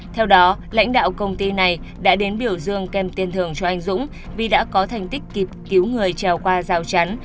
theo đó lãnh đạo công ty này đã đến biểu dương kèm tiên thường cho anh dũng vì đã có thành tích kịp cứu người trèo qua giao chắn